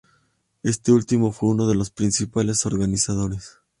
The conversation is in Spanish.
Este último fue uno de sus principales organizadores.